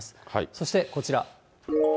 そして、こちら。